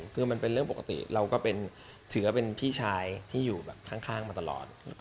คือมันเป็นเรื่องปกติเราก็ถือว่าเป็นพี่ชายที่อยู่แบบข้างมาตลอด